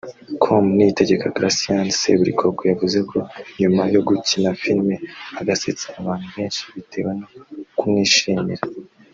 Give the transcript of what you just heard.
com Niyitegeka Gratien Seburikoko yavuze ko nyuma yo gukina filime agasetsa abantu benshi bitewe no kumwishimira